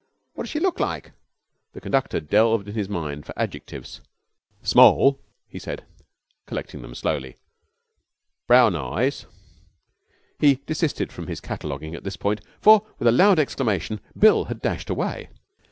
'What does she look like?' The conductor delved in his mind for adjectives. 'Small,' he said, collecting them slowly. 'Brown eyes ' He desisted from his cataloguing at this point, for, with a loud exclamation, Bill had dashed away.